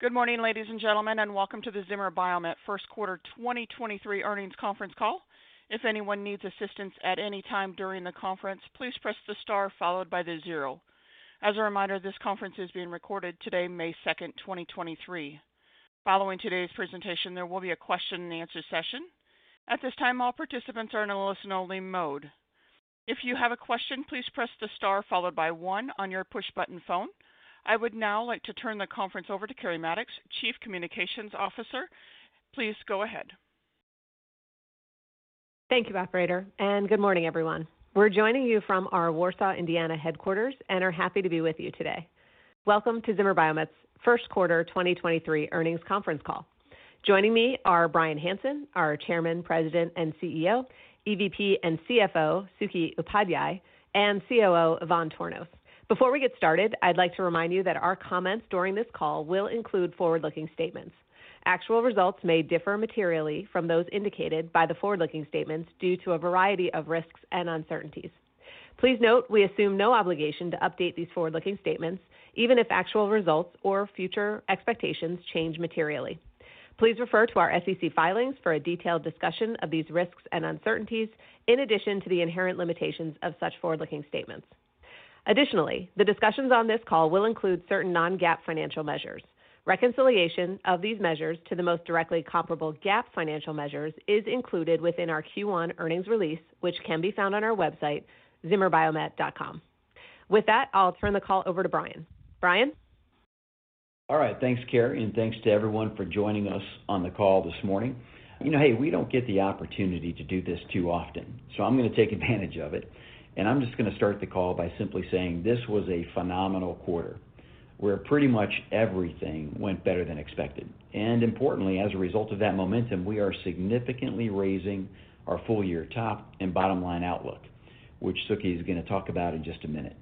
Good morning, ladies and gentlemen, and welcome to the Zimmer Biomet first Quarter 2023 Earnings Conference Call. If anyone needs assistance at any time during the conference, please press the star followed by zero. As a reminder, this conference is being recorded today, May 2nd, 2023. Following today's presentation, there will be a question and answer session. At this time, all participants are in a listen only mode. If you have a question, please press the star followed by one on your push button phone. I would now like to turn the conference over to Keri Mattox, Chief Communications Officer. Please go ahead. Thank you, operator. Good morning, everyone. We're joining you from our Warsaw, Indiana headquarters and are happy to be with you today. Welcome to Zimmer Biomet's first quarter 2023 earnings conference call. Joining me are Bryan Hanson, our Chairman, President and CEO, EVP and CFO Suke Upadhyay, and COO Ivan Tornos. Before we get started, I'd like to remind you that our comments during this call will include forward-looking statements. Actual results may differ materially from those indicated by the forward-looking statements due to a variety of risks and uncertainties. Please note we assume no obligation to update these forward-looking statements, even if actual results or future expectations change materially. Please refer to our SEC filings for a detailed discussion of these risks and uncertainties, in addition to the inherent limitations of such forward-looking statements. The discussions on this call will include certain non-GAAP financial measures. Reconciliation of these measures to the most directly comparable GAAP financial measures is included within our Q1 earnings release, which can be found on our website, zimmerbiomet.com. I'll turn the call over to Bryan. Bryan? All right, thanks, Keri, and thanks to everyone for joining us on the call this morning. You know, hey, we don't get the opportunity to do this too often, I'm gonna take advantage of it, I'm just gonna start the call by simply saying this was a phenomenal quarter, where pretty much everything went better than expected. Importantly, as a result of that momentum, we are significantly raising our full year top and bottom line outlook, which Suke is gonna talk about in just a minute.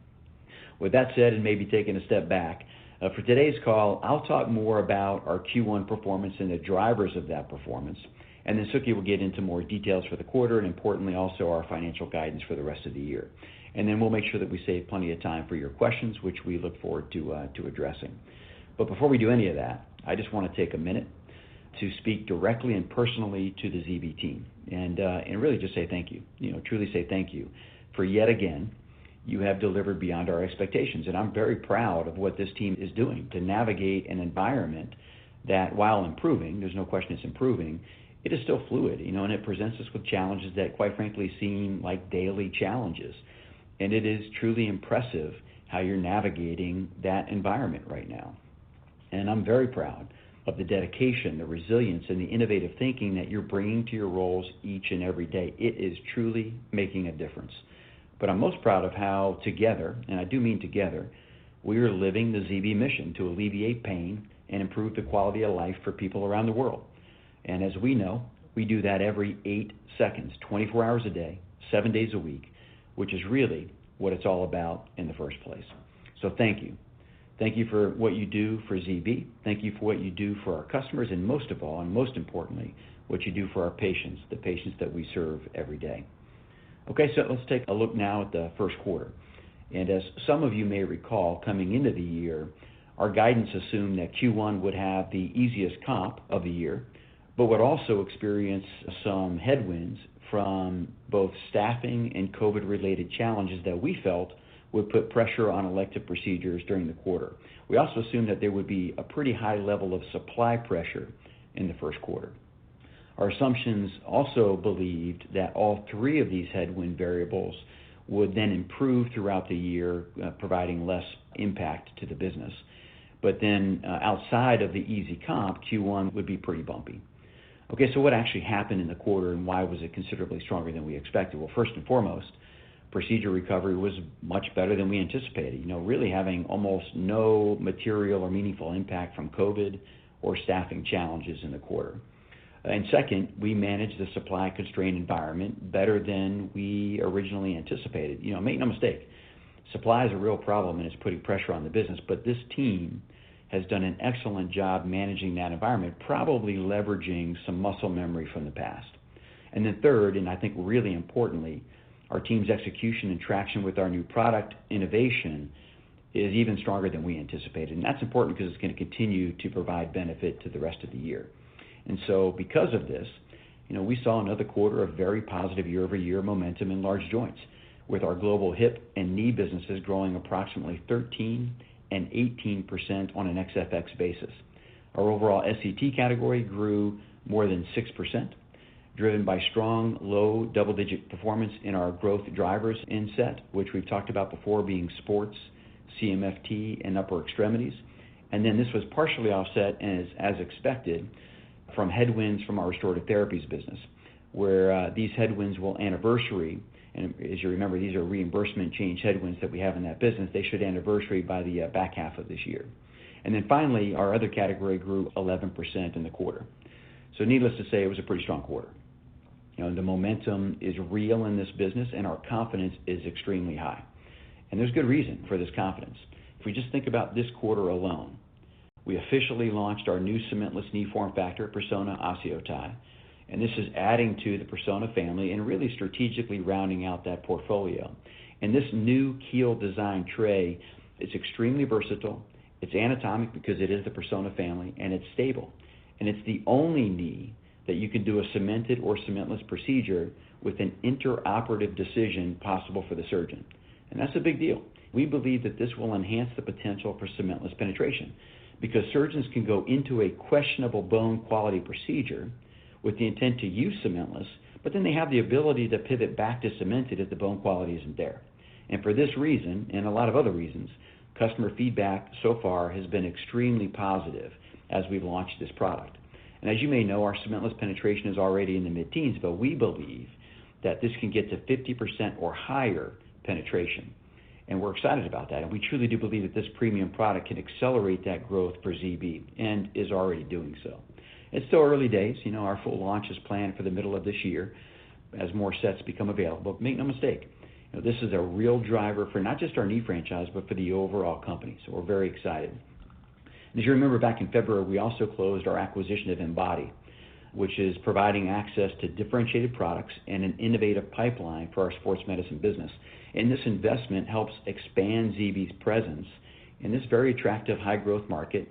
With that said, maybe taking a step back, for today's call, I'll talk more about our Q1 performance and the drivers of that performance, Suke will get into more details for the quarter, importantly, also our financial guidance for the rest of the year. Then we'll make sure that we save plenty of time for your questions, which we look forward to addressing. Before we do any of that, I just wanna take a minute to speak directly and personally to the ZB team and really just say thank you. You know, truly say thank you for yet again, you have delivered beyond our expectations. I'm very proud of what this team is doing to navigate an environment that while improving, there's no question it's improving, it is still fluid, you know, and it presents us with challenges that quite frankly seem like daily challenges. It is truly impressive how you're navigating that environment right now. I'm very proud of the dedication, the resilience, and the innovative thinking that you're bringing to your roles each and every day. It is truly making a difference. I'm most proud of how together, and I do mean together, we are living the ZB mission to alleviate pain and improve the quality of life for people around the world. As we know, we do that every eight seconds, 24 hours a day, seven days a week, which is really what it's all about in the first place. Thank you. Thank you for what you do for ZB. Thank you for what you do for our customers and most of all, and most importantly, what you do for our patients, the patients that we serve every day. Let's take a look now at the first quarter. As some of you may recall, coming into the year, our guidance assumed that Q1 would have the easiest comp of the year, but would also experience some headwinds from both staffing and COVID-related challenges that we felt would put pressure on elective procedures during the quarter. We also assumed that there would be a pretty high level of supply pressure in the first quarter. Our assumptions also believed that all three of these headwind variables would then improve throughout the year, providing less impact to the business. Outside of the easy comp, Q1 would be pretty bumpy. What actually happened in the quarter and why was it considerably stronger than we expected? First and foremost, procedure recovery was much better than we anticipated. You know, really having almost no material or meaningful impact from COVID or staffing challenges in the quarter. Second, we managed the supply constrained environment better than we originally anticipated. You know, make no mistake, supply is a real problem, and it's putting pressure on the business. This team has done an excellent job managing that environment, probably leveraging some muscle memory from the past. Third, and I think really importantly, our team's execution and traction with our new product innovation is even stronger than we anticipated. That's important because it's gonna continue to provide benefit to the rest of the year. Because of this, you know, we saw another quarter of very positive year-over-year momentum in large joints with our global hip and knee businesses growing approximately 13% and 18% on an Ex-FX basis. Our overall SET category grew more than 6%, driven by strong low double-digit performance in our growth drivers in SET, which we've talked about before being sports, CMFT, and upper extremities. This was partially offset as expected from headwinds from our restorative therapies business. Where these headwinds will anniversary, and as you remember, these are reimbursement change headwinds that we have in that business. They should anniversary by the back half of this year. Finally, our other category grew 11% in the quarter. Needless to say, it was a pretty strong quarter. You know, the momentum is real in this business, and our confidence is extremely high. There's good reason for this confidence. If we just think about this quarter alone. We officially launched our new cementless knee form factor, Persona OsseoTi. This is adding to the Persona family and really strategically rounding out that portfolio. This new keel design tray is extremely versatile. It's anatomic because it is the Persona family, and it's stable. It's the only knee that you can do a cemented or cementless procedure with an intraoperative decision possible for the surgeon. That's a big deal. We believe that this will enhance the potential for cementless penetration because surgeons can go into a questionable bone quality procedure with the intent to use cementless, they have the ability to pivot back to cemented if the bone quality isn't there. For this reason, and a lot of other reasons, customer feedback so far has been extremely positive as we've launched this product. As you may know, our cementless penetration is already in the mid-teens, but we believe that this can get to 50% or higher penetration. We're excited about that. We truly do believe that this premium product can accelerate that growth for ZB and is already doing so. It's still early days. You know, our full launch is planned for the middle of this year as more sets become available. Make no mistake, this is a real driver for not just our knee franchise, but for the overall company. We're very excited. As you remember back in February, we also closed our acquisition of Embody, which is providing access to differentiated products and an innovative pipeline for our sports medicine business. This investment helps expand ZB's presence in this very attractive high-growth market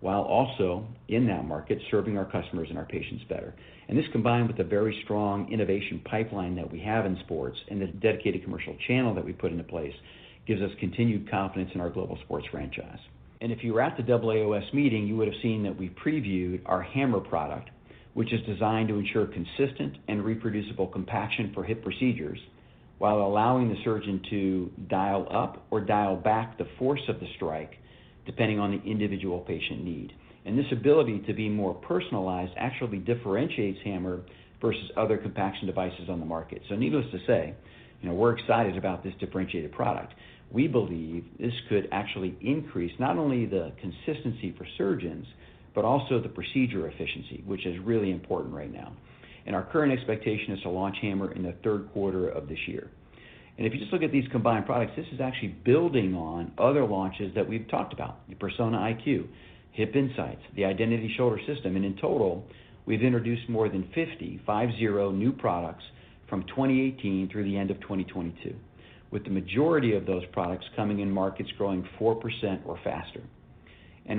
while also in that market serving our customers and our patients better. This combined with a very strong innovation pipeline that we have in sports and the dedicated commercial channel that we put into place gives us continued confidence in our global sports franchise. If you were at the AAOS meeting, you would have seen that we previewed our HAMMR product, which is designed to ensure consistent and reproducible compaction for hip procedures while allowing the surgeon to dial up or dial back the force of the strike, depending on the individual patient need. This ability to be more personalized actually differentiates HAMMR versus other compaction devices on the market. Needless to say, you know, we're excited about this differentiated product. We believe this could actually increase not only the consistency for surgeons, but also the procedure efficiency, which is really important right now. Our current expectation is to launch HAMMR in the third quarter of this year. If you just look at these combined products, this is actually building on other launches that we've talked about, the Persona IQ, HipInsight, the Identity Shoulder System. In total, we've introduced more than 50 new products from 2018 through the end of 2022, with the majority of those products coming in markets growing 4% or faster.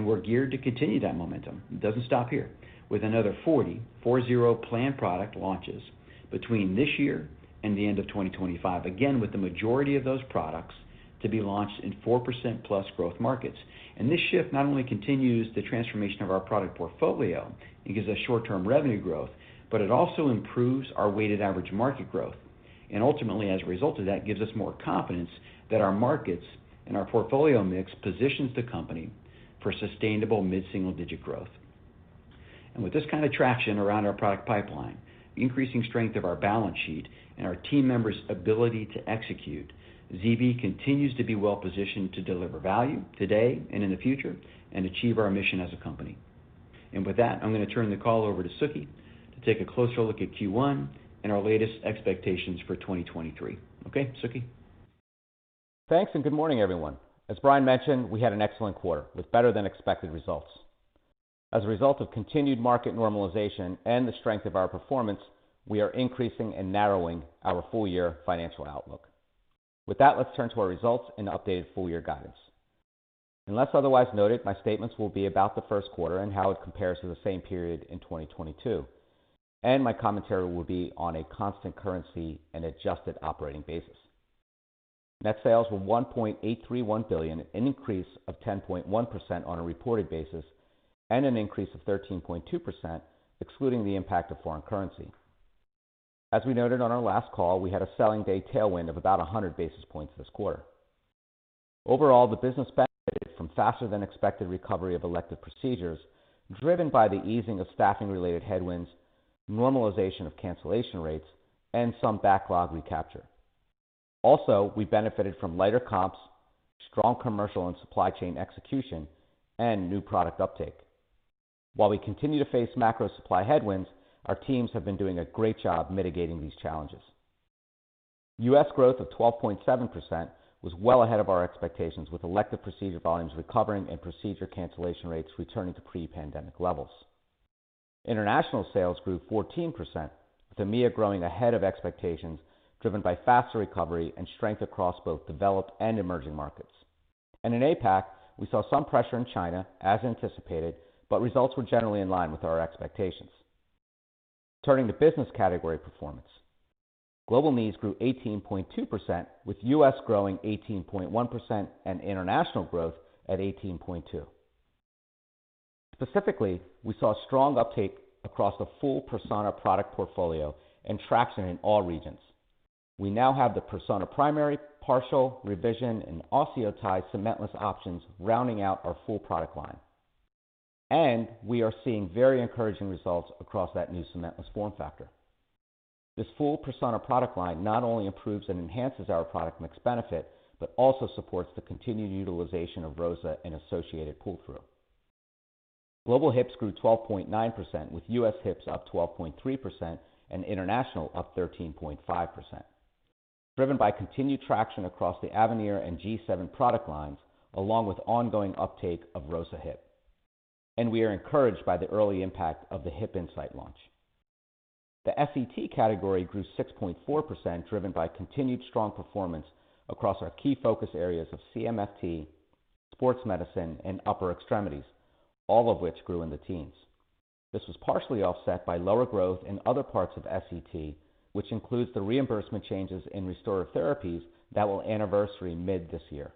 We're geared to continue that momentum. It doesn't stop here. With another 40 planned product launches between this year and the end of 2025, again, with the majority of those products to be launched in 4%-plus growth markets. This shift not only continues the transformation of our product portfolio and gives us short-term revenue growth, but it also improves our weighted average market growth. Ultimately, as a result of that, gives us more confidence that our markets and our portfolio mix positions the company for sustainable mid-single-digit growth. With this kind of traction around our product pipeline, increasing strength of our balance sheet, and our team members' ability to execute, ZB continues to be well-positioned to deliver value today and in the future and achieve our mission as a company. With that, I'm going to turn the call over to Suke to take a closer look at Q1 and our latest expectations for 2023. Okay, Suke. Thanks. Good morning, everyone. As Bryan mentioned, we had an excellent quarter with better-than-expected results. As a result of continued market normalization and the strength of our performance, we are increasing and narrowing our full-year financial outlook. With that, let's turn to our results and updated full-year guidance. Unless otherwise noted, my statements will be about the first quarter and how it compares to the same period in 2022. My commentary will be on a constant currency and adjusted operating basis. Net sales were $1.831 billion, an increase of 10.1% on a reported basis, and an increase of 13.2% excluding the impact of foreign currency. As we noted on our last call, we had a selling day tailwind of about 100 basis points this quarter. Overall, the business benefited from faster than expected recovery of elective procedures driven by the easing of staffing related headwinds, normalization of cancellation rates, and some backlog recapture. Also, we benefited from lighter comps, strong commercial and supply chain execution, and new product uptake. While we continue to face macro supply headwinds, our teams have been doing a great job mitigating these challenges. U.S. growth of 12.7% was well ahead of our expectations with elective procedure volumes recovering and procedure cancellation rates returning to pre-pandemic levels. International sales grew 14% with EMEA growing ahead of expectations driven by faster recovery and strength across both developed and emerging markets. In APAC, we saw some pressure in China as anticipated, but results were generally in line with our expectations. Turning to business category performance. Global knees grew 18.2% with U.S. growing 18.1% and international growth at 18.2%. Specifically, we saw strong uptake across the full Persona product portfolio and traction in all regions. We now have the Persona primary, partial, revision, and OsseoTi cementless options rounding out our full product line. We are seeing very encouraging results across that new cementless form factor. This full Persona product line not only improves and enhances our product mix benefit, but also supports the continued utilization of ROSA and associated pull-through. Global hips grew 12.9% with U.S. hips up 12.3% and international up 13.5%. Driven by continued traction across the Avenir and G7 product lines, along with ongoing uptake of ROSA Hip. We are encouraged by the early impact of the HipInsight launch. The SET category grew 6.4%, driven by continued strong performance across our key focus areas of CMFT, sports medicine, and upper extremities, all of which grew in the teens. This was partially offset by lower growth in other parts of SET, which includes the reimbursement changes in restorative therapies that will anniversary mid this year.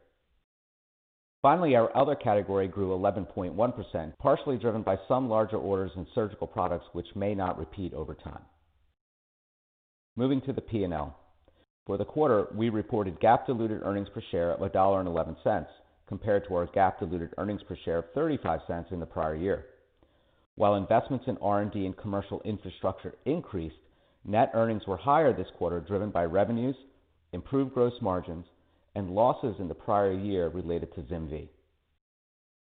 Finally, our other category grew 11.1%, partially driven by some larger orders in surgical products which may not repeat over time. Moving to the P&L. For the quarter, we reported GAAP diluted earnings per share of $1.11, compared to our GAAP diluted earnings per share of $0.35 in the prior year. While investments in R&D and commercial infrastructure increased, net earnings were higher this quarter, driven by revenues, improved gross margins, and losses in the prior year related to ZimVie.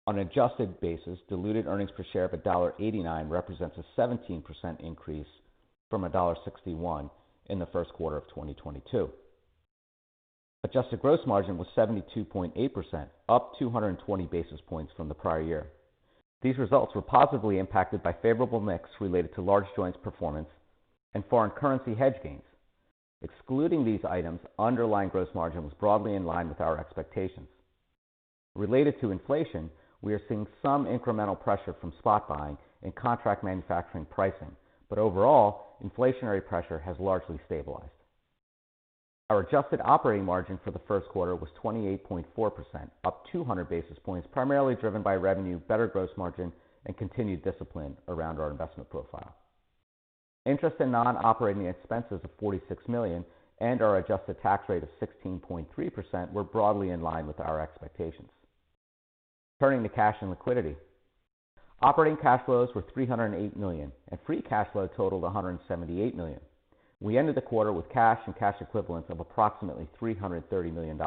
On an adjusted basis, diluted earnings per share of $1.89 represents a 17% increase from $1.61 in the first quarter of 2022. Adjusted gross margin was 72.8%, up 220 basis points from the prior year. These results were positively impacted by favorable mix related to large joints performance and foreign currency hedge gains. Excluding these items, underlying gross margin was broadly in line with our expectations. Related to inflation, we are seeing some incremental pressure from spot buying and contract manufacturing pricing, but overall, inflationary pressure has largely stabilized. Our adjusted operating margin for the first quarter was 28.4%, up 200 basis points, primarily driven by revenue, better gross margin, and continued discipline around our investment profile. Interest in non-operating expenses of $46 million and our adjusted tax rate of 16.3% were broadly in line with our expectations. Turning to cash and liquidity. Operating cash flows were $308 million, and free cash flow totaled $178 million. We ended the quarter with cash and cash equivalents of approximately $330 million.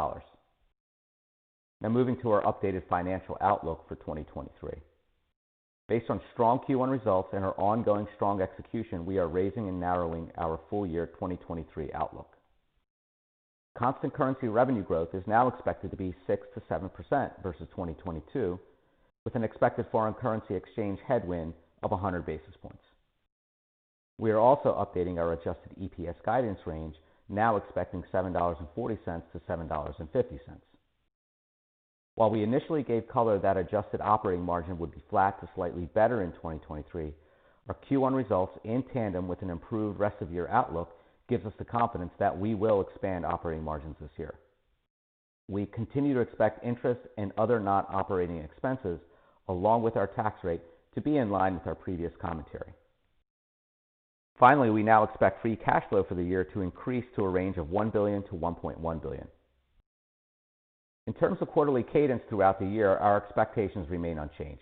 Moving to our updated financial outlook for 2023. Based on strong Q1 results and our ongoing strong execution, we are raising and narrowing our full year 2023 outlook. Constant currency revenue growth is now expected to be 6%-7% versus 2022, with an expected foreign currency exchange headwind of 100 basis points. We are also updating our adjusted EPS guidance range, now expecting $7.40-$7.50. While we initially gave color that adjusted operating margin would be flat to slightly better in 2023, our Q1 results in tandem with an improved rest of year outlook gives us the confidence that we will expand operating margins this year. We continue to expect interest and other non-operating expenses along with our tax rate to be in line with our previous commentary. We now expect free cash flow for the year to increase to a range of $1 billion-$1.1 billion. In terms of quarterly cadence throughout the year, our expectations remain unchanged.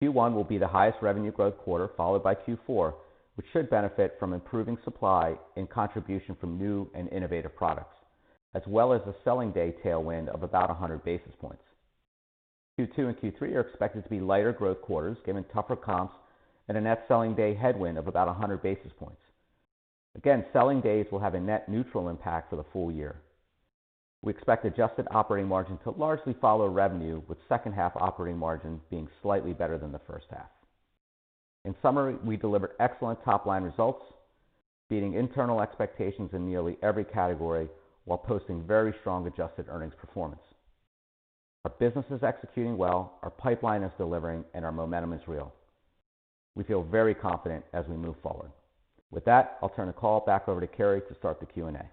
Q1 will be the highest revenue growth quarter followed by Q4, which should benefit from improving supply and contribution from new and innovative products, as well as a selling day tailwind of about 100 basis points. Q2 and Q3 are expected to be lighter growth quarters given tougher comps and a net selling day headwind of about 100 basis points. Selling days will have a net neutral impact for the full year. We expect adjusted operating margin to largely follow revenue, with second half operating margin being slightly better than the first half. In summary, we delivered excellent top-line results, beating internal expectations in nearly every category while posting very strong adjusted earnings performance. Our business is executing well, our pipeline is delivering, and our momentum is real. We feel very confident as we move forward. With that, I'll turn the call back over to Keri to start the Q&A.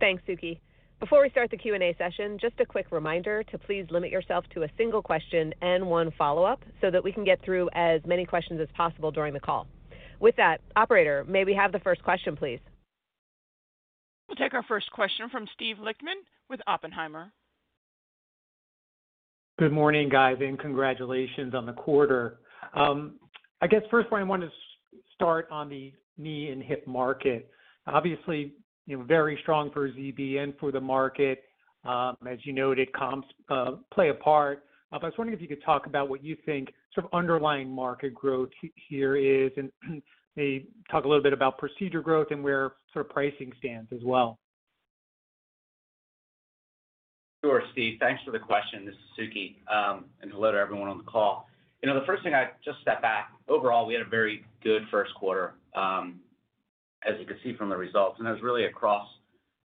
Thanks, Suke. Before we start the Q&A session, just a quick reminder to please limit yourself to a single question and one follow-up so that we can get through as many questions as possible during the call. With that, operator, may we have the first question, please? We'll take our first question from Steve Lichtman with Oppenheimer. Good morning, guys, congratulations on the quarter. I guess first where I want to start on the knee and hip market. Obviously, you know, very strong for ZB and for the market. As you noted, comps play a part. I was wondering if you could talk about what you think sort of underlying market growth here is, and maybe talk a little bit about procedure growth and where sort of pricing stands as well. Sure, Steve. Thanks for the question. This is Suke. Hello to everyone on the call. You know, the first thing I'd just step back. Overall, we had a very good first quarter, as you can see from the results. That was really across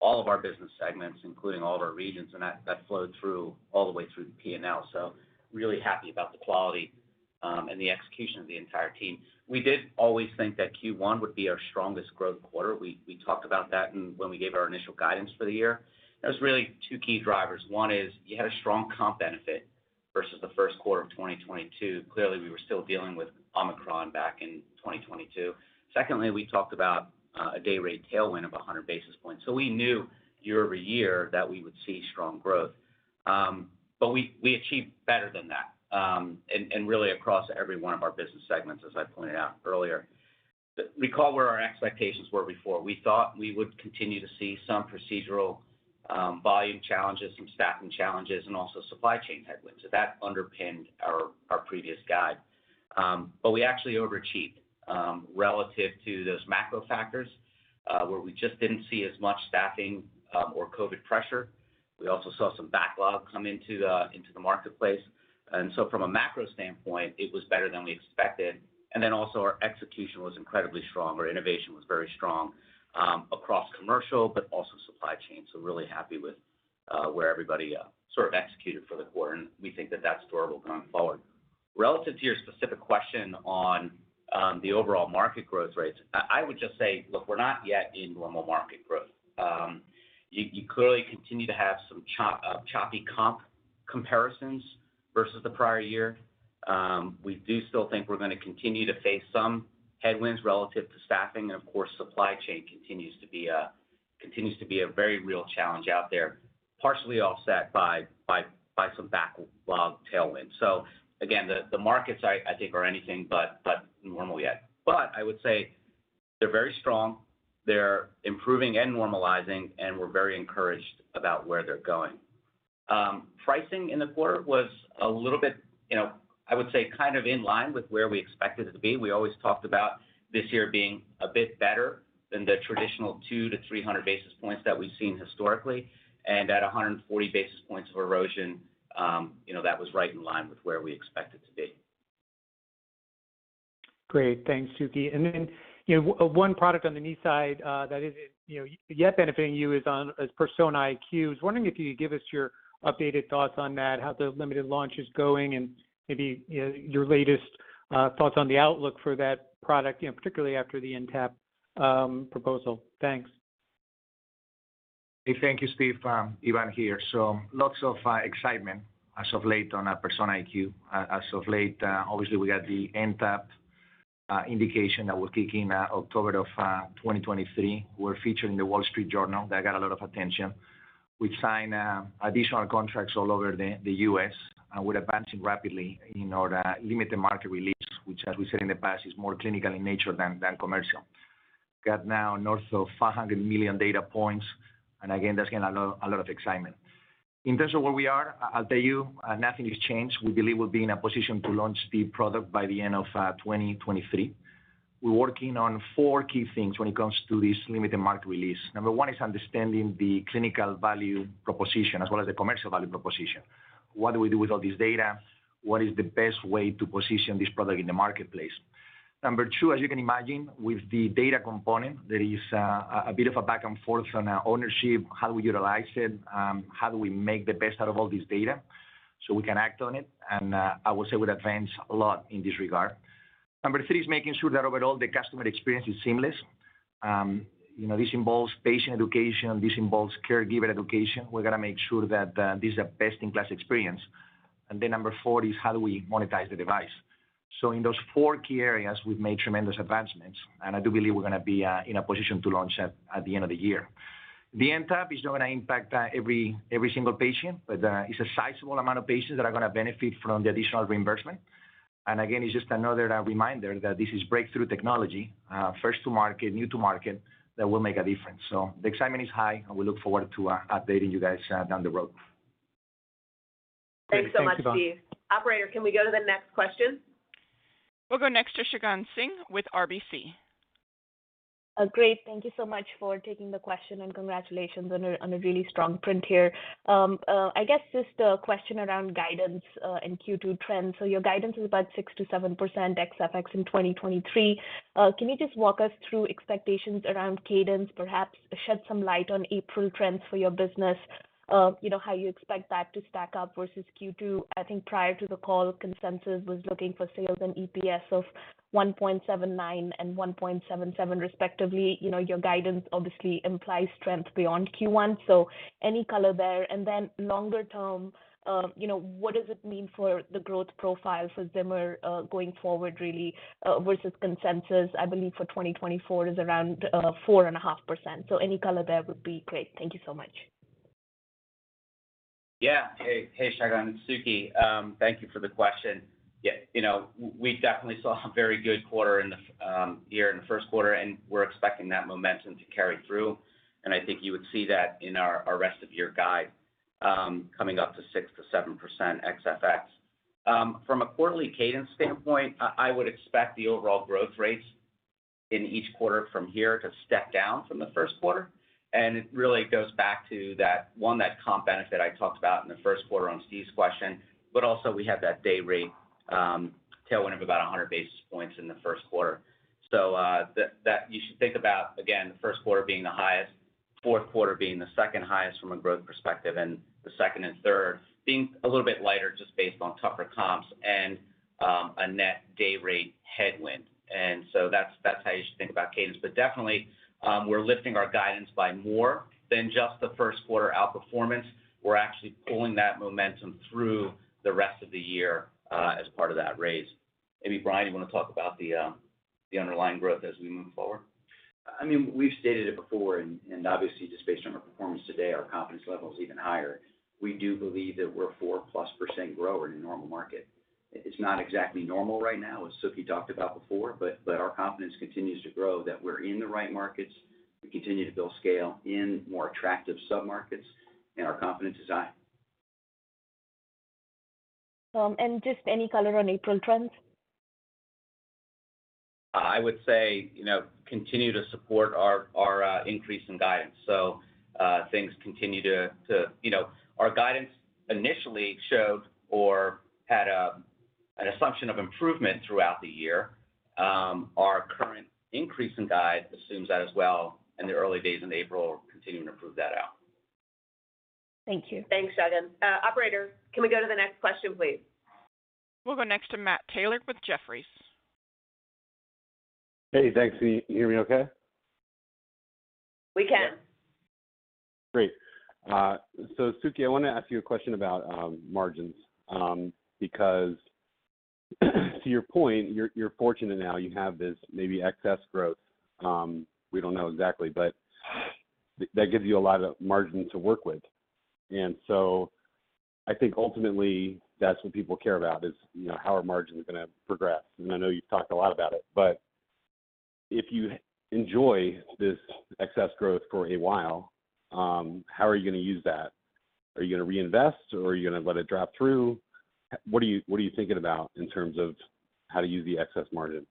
all of our business segments, including all of our regions, and that flowed through all the way through the P&L. Really happy about the quality and the execution of the entire team. We did always think that Q1 would be our strongest growth quarter. We talked about that and when we gave our initial guidance for the year. There was really two key drivers. One is you had a strong comp benefit versus the first quarter of 2022. Clearly, we were still dealing with Omicron back in 2022. Secondly, we talked about a day rate tailwind of 100 basis points. We knew year-over-year that we would see strong growth. We achieved better than that, and really across every one of our business segments, as I pointed out earlier. Recall where our expectations were before. We thought we would continue to see some procedural volume challenges from staffing challenges and also supply chain headwinds. That underpinned our previous guide. We actually overachieved relative to those macro factors, where we just didn't see as much staffing or COVID pressure. We also saw some backlog come into the, into the marketplace. From a macro standpoint, it was better than we expected. Also our execution was incredibly strong, our innovation was very strong, across commercial, but also supply chain. Really happy with where everybody sort of executed for the quarter, and we think that that's durable going forward. Relative to your specific question on the overall market growth rates, I would just say, look, we're not yet in normal market growth. You, you clearly continue to have some choppy comp comparisons versus the prior year. We do still think we're gonna continue to face some headwinds relative to staffing and of course, supply chain continues to be a very real challenge out there, partially offset by some backlog tailwind. Again, the markets I think are anything but normal yet. I would say they're very strong. They're improving and normalizing, and we're very encouraged about where they're going. Pricing in the quarter was a little bit, you know, I would say kind of in line with where we expected it to be. We always talked about this year being a bit better than the traditional 200-300 basis points that we've seen historically. At 140 basis points of erosion, you know, that was right in line with where we expect it to be. Great. Thanks, Suke. Then, you know, one product on the knee side, that isn't, you know, yet benefiting you is Persona IQ. I was wondering if you could give us your updated thoughts on that, how the limited launch is going, and maybe, you know, your latest thoughts on the outlook for that product, you know, particularly after the NTAP proposal. Thanks. Hey, thank you, Steve. Ivan here. Lots of excitement as of late on our Persona IQ. As of late, obviously we got the NTAP indication that will kick in October of 2023. We're featured in the Wall Street Journal. That got a lot of attention. We've signed additional contracts all over the U.S., and we're advancing rapidly in order to limit the market release, which as we said in the past, is more clinical in nature than commercial. Got now north of $500 million data points, and again, that's getting a lot of excitement. In terms of where we are, I'll tell you, nothing has changed. We believe we'll be in a position to launch the product by the end of 2023. We're working on four key things when it comes to this limited market release. Number one is understanding the clinical value proposition as well as the commercial value proposition. What do we do with all this data? What is the best way to position this product in the marketplace? Number two, as you can imagine with the data component, there is a bit of a back and forth on ownership. How do we utilize it? How do we make the best out of all this data so we can act on it? I will say we've advanced a lot in this regard. Number three is making sure that overall the customer experience is seamless. You know, this involves patient education, this involves caregiver education. We're gonna make sure that this is a best in class experience. Number four is how do we monetize the device? In those four key areas, we've made tremendous advancements, and I do believe we're gonna be in a position to launch at the end of the year. The NTAP is not gonna impact every single patient, but it's a sizable amount of patients that are gonna benefit from the additional reimbursement. Again, it's just another reminder that this is breakthrough technology, first to market, new to market, that will make a difference. The excitement is high, and we look forward to updating you guys down the road. Great. Thanks, Ivan. Thanks so much, Steve. Operator, can we go to the next question? We'll go next to Shagun Singh with RBC. Great. Thank you so much for taking the question and congratulations on a, on a really strong print here. I guess just a question around guidance, and Q2 trends. Your guidance is about 6%-7% ex FX in 2023. Can you just walk us through expectations around cadence, perhaps shed some light on April trends for your business? You know, how you expect that to stack up versus Q2? I think prior to the call, consensus was looking for sales and EPS of $1.79 and $1.77 respectively. You know, your guidance obviously implies strength beyond Q1. Any color there? Longer term, you know, what does it mean for the growth profile for Zimmer, going forward really, versus consensus? I believe for 2024 is around 4.5%. Any color there would be great. Thank you so much. Yeah. Hey, hey Shagun, it's Suke. Thank you for the question. Yeah, you know, we definitely saw a very good quarter in the year in the first quarter, and we're expecting that momentum to carry through, and I think you would see that in our rest of year guide, coming up to 6%-7% ex FX. From a quarterly cadence standpoint, I would expect the overall growth rates in each quarter from here to step down from the first quarter. It really goes back to that, one, that comp benefit I talked about in the first quarter on Steve's question. Also we have that day rate, tailwind of about 100 basis points in the first quarter. That you should think about again, the first quarter being the highest, fourth quarter being the second highest from a growth perspective, and the second and third being a little bit lighter just based on tougher comps and a net day rate headwind. That's how you should think about cadence. Definitely, we're lifting our guidance by more than just the first quarter outperformance. We're actually pulling that momentum through the rest of the year as part of that raise. Maybe Bryan, you wanna talk about the underlying growth as we move forward? I mean, we've stated it before and obviously just based on our performance today, our confidence level is even higher. We do believe that we're a 4+% grower in a normal market. It's not exactly normal right now, as Suke talked about before, but our confidence continues to grow that we're in the right markets. We continue to build scale in more attractive submarkets, and our confidence is high. Just any color on April trends? I would say, you know, continue to support our increase in guidance. Things continue to. You know, our guidance initially showed or had an assumption of improvement throughout the year. Our current increase in guide assumes that as well. The early days in April are continuing to prove that out. Thank you. Thanks, Shagun. Operator, can we go to the next question, please? We'll go next to Matt Taylor with Jefferies. Hey, thanks. Can you hear me okay? We can. Great. Suke, I wanna ask you a question about margins, because to your point, you're fortunate now. You have this maybe excess growth, we don't know exactly. That gives you a lot of margin to work with. I think ultimately, that's what people care about is, you know, how are margins gonna progress? I know you've talked a lot about it, but if you enjoy this excess growth for a while, how are you gonna use that? Are you gonna reinvest, or are you gonna let it drop through? What are you thinking about in terms of how to use the excess margin?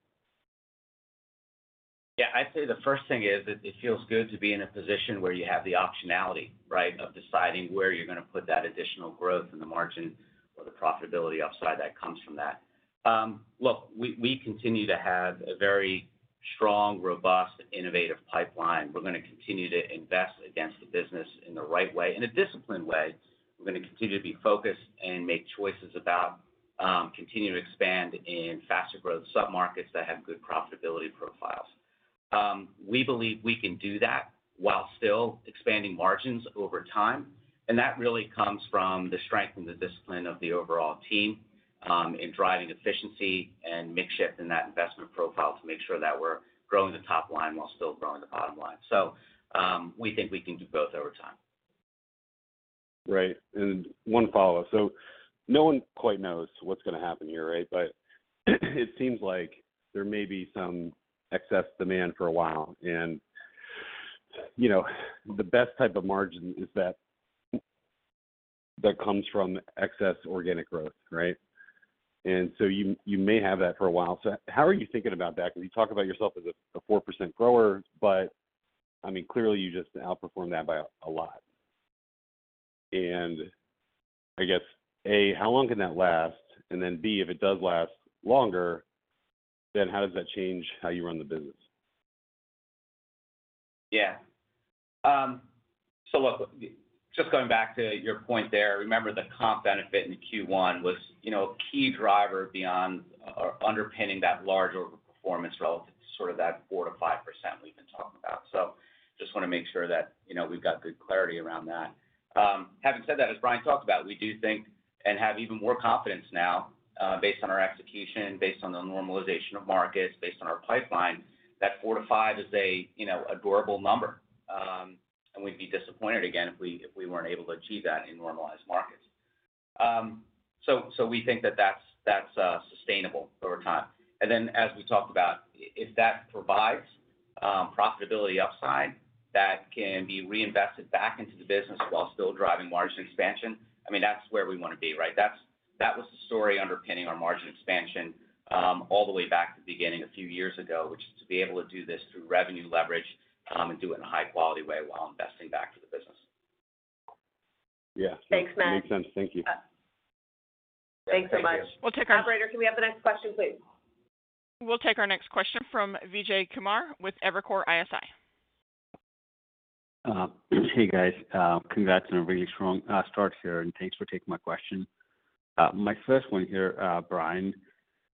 I'd say the first thing is it feels good to be in a position where you have the optionality, right, of deciding where you're gonna put that additional growth in the margin or the profitability upside that comes from that. Look, we continue to have a very strong, robust, innovative pipeline. We're gonna continue to invest against the business in the right way, in a disciplined way. We're gonna continue to be focused and make choices about, continue to expand in faster growth sub-markets that have good profitability profiles. We believe we can do that while still expanding margins over time, and that really comes from the strength and the discipline of the overall team, in driving efficiency and mix shift in that investment profile to make sure that we're growing the top line while still growing the bottom line. We think we can do both over time. Right. One follow-up. No one quite knows what's gonna happen here, right? It seems like there may be some excess demand for a while. You know, the best type of margin is that comes from excess organic growth, right? You, you may have that for a while. How are you thinking about that? Because you talk about yourself as a 4% grower, but I mean, clearly, you just outperformed that by a lot. I guess, A, how long can that last? B, if it does last longer, then how does that change how you run the business? Look, just going back to your point there, remember the comp benefit in Q1 was, you know, a key driver beyond or underpinning that large overperformance relative to sort of that 4%-5% we've been talking about. Just wanna make sure that, you know, we've got good clarity around that. Having said that, as Bryan talked about, we do think and have even more confidence now, based on our execution, based on the normalization of markets, based on our pipeline, that 4%-5% is a, you know, a durable number. And we'd be disappointed again if we weren't able to achieve that in normalized markets. We think that that's sustainable over time. As we talked about, if that provides profitability upside that can be reinvested back into the business while still driving margin expansion, I mean, that's where we wanna be, right? That was the story underpinning our margin expansion all the way back to the beginning a few years ago, which is to be able to do this through revenue leverage and do it in a high-quality way while investing back to the business. Yeah. Thanks, Matt. Makes sense. Thank you. Thanks so much. Thank you. We'll take our- Operator, can we have the next question, please? We'll take our next question from Vijay Kumar with Evercore ISI. Hey, guys. Congrats on a really strong start here, and thanks for taking my question. My first one here, Bryan,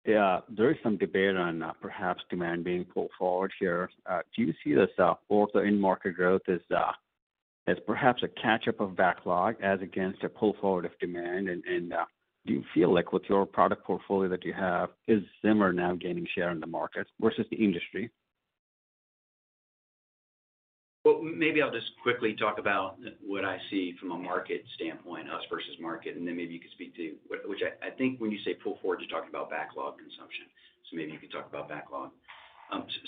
there is some debate on perhaps demand being pulled forward here. Do you see this also in market growth as perhaps a catch-up of backlog as against a pull forward of demand? Do you feel like with your product portfolio that you have, is Zimmer now gaining share in the market versus the industry? Well, maybe I'll just quickly talk about what I see from a market standpoint, us versus market, then maybe you could speak to I think when you say pull forward, you're talking about backlog consumption, maybe you could talk about backlog.